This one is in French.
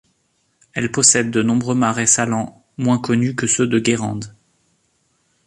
Elle possède de nombreux marais salants, moins connus que ceux de Guérande.